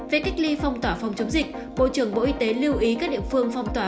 về cách ly phong tỏa phòng chống dịch bộ trưởng bộ y tế lưu ý các địa phương phong tỏa